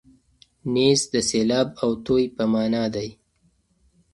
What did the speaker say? نیز د سېلاب او توی په مانا دی.